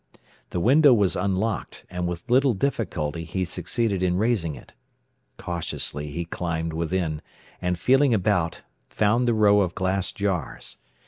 The window was unlocked, and with little difficulty he succeeded in raising it. Cautiously he climbed within, and feeling about, found the row of glass jars.